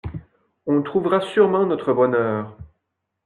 On trouvera sûrement notre bonheur.